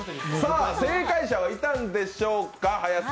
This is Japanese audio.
正解者はいたんでしょうか。